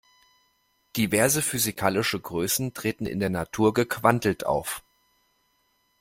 Diverse physikalische Größen treten in der Natur gequantelt auf.